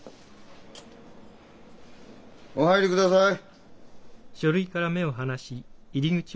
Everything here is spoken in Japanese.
お入りください。